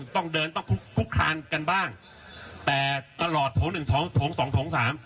ต้องเดินต้องคุกคุกคานกันบ้างแต่ตลอดโถงหนึ่งโถงโถงสองโถงสาม